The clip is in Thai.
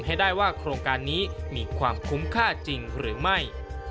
ให้ได้ว่าโครงการนี้มีความคุ้มค่าจริงหรือไม่